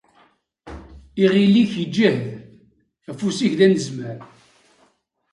Iɣil-ik iǧhed; afus-ik d anezmar.